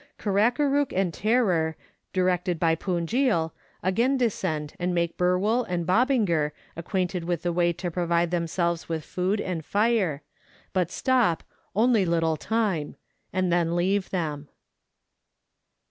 Karakarook and Tarrer, directed by Punjil, again descend and make Berwool and Bobinger acquainted with the way to provide themselves with food and fire, but stop " only little time " and then leave them.